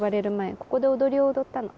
ここで踊りを踊ったの。